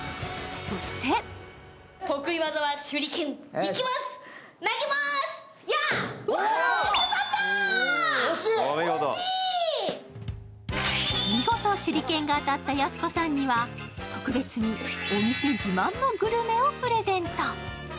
そして見事、手裏剣が当たったやす子さんには特別にお店自慢のグルメをプレゼント。